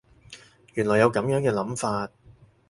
原來有噉樣嘅諗法